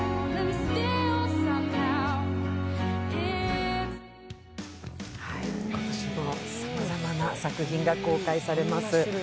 今年もさまざまな作品が公開されます。